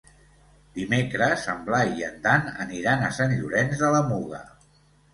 Dimecres en Blai i en Dan aniran a Sant Llorenç de la Muga.